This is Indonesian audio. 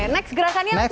next gerakannya alfian